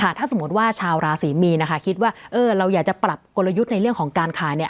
ถ้าสมมติว่าชาวราศรีมีนนะคะคิดว่าเราอยากจะปรับกลยุทธ์ในเรื่องของการขายเนี่ย